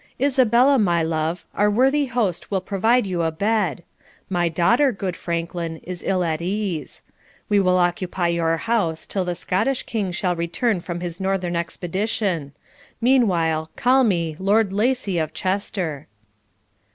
Isabella, my love, our worthy host will provide you a bed. My daughter, good Franklin, is ill at ease. We will occupy your house till the Scottish King shall return from his northern expedition; meanwhile call me Lord Lacy of Chester.'